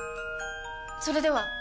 それでは！